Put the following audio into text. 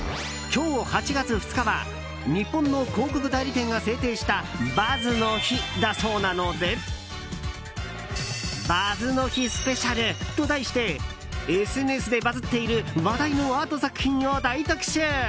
今日８月２日は日本の広告代理店が制定したバズの日だそうなのでバズの日スペシャルと題してＳＮＳでバズっている話題のアート作品を大特集。